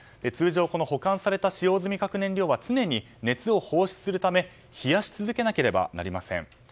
通常、保管された使用済み核燃料は常に熱を放出するため冷やし続けなければなりません。